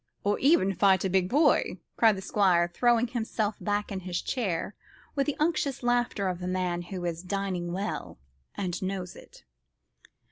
"Or even fight a big boy," cried the Squire, throwing himself back in his chair with the unctuous laughter of a man who is dining well, and knows it.